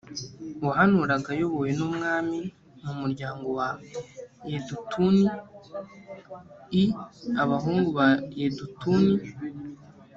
wahanuraga ayobowe n umwami mu muryango wa yedutuni i abahungu ba yedutuni